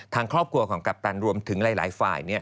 ทางครอบครัวของกัปตันรวมถึงหลายฝ่าย